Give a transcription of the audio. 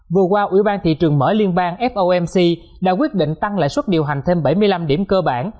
vừa qua ủy ban thị trường mở liên bang fomc đã quyết định tăng lãi suất điều hành thêm bảy mươi năm điểm cơ bản